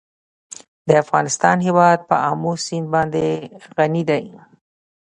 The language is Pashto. د افغانستان هیواد په آمو سیند باندې غني دی.